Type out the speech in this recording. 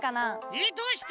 えっどうして？